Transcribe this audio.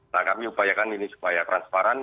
nah kami upayakan ini supaya transparan